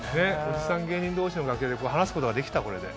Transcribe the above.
おじさん芸人同士の楽屋で話すことができたこれで。